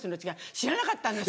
知らなかったんです。